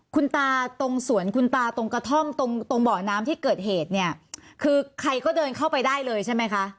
คุณตาตรงสวนคุณตาตรงกระท่อมตรงตรงเบาะน้ำที่เกิดเหตุเนี่ยคือใครก็เดินเข้าไปได้เลยใช่ไหมคะ